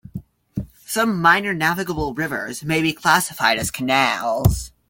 Some minor navigable rivers may be classified as canals.